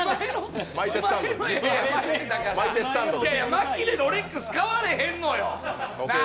まきでロレックス買われへんのよ。